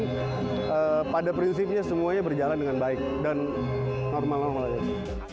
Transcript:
jadi pada prinsipnya semuanya berjalan dengan baik dan normal normal aja